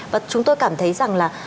và chúng tôi cảm thấy rằng là